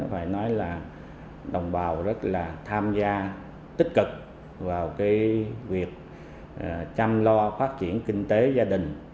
phải nói là đồng bào rất là tham gia tích cực vào cái việc chăm lo phát triển kinh tế gia đình